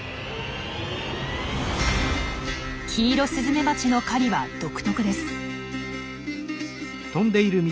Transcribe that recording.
キイロスズメバチの狩りは独特です。